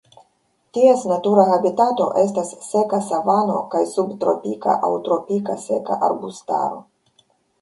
Ties natura habitato estas seka savano kaj subtropika aŭ tropika seka arbustaro.